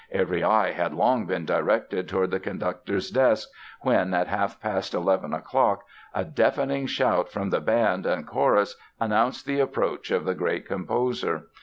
Every eye had long been directed toward the conductor's desk, when, at half past eleven o'clock, a deafening shout from the band and chorus announced the approach of the great composer.